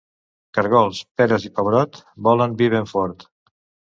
Caragols, peres i pebrot volen vi ben fort.